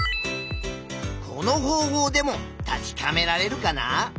この方法でも確かめられるかな？